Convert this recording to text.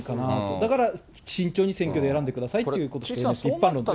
だから慎重に選挙で選んでくださいというのが一般論です。